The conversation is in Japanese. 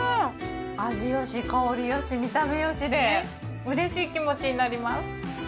味良し香り良し見た目良しでうれしい気持ちになります。